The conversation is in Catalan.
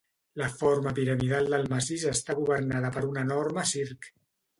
La forma piramidal del massís està governada per un enorme circ.